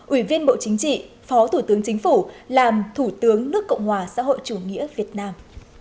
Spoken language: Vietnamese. ủy viên bộ chính trị phó thủ tướng chính phủ làm thủ tướng nước cộng hòa xã hội chủ nghĩa việt nam